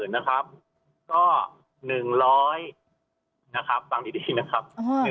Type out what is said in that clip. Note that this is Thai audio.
นะครับก็๑๐๐นะครับฟังดีนะครับ